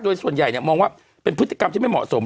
โดยส่วนใหญ่มองว่าเป็นพฤติกรรมที่ไม่เหมาะสม